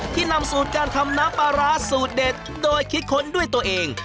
นำสูตรการทำน้ำปลาร้าสูตรเด็ดโดยคิดค้นด้วยตัวเอง